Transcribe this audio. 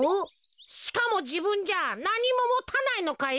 しかもじぶんじゃなにももたないのかよ。